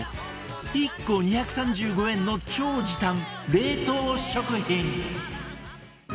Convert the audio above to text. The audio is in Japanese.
１個２３５円の超時短冷凍食品